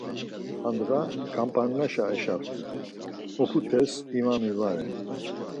Handğa Ǩamp̌arnaşa eşaptit̆, oputes imami va ren.